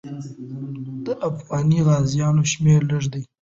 د افغاني غازیانو شمېر لږ دی.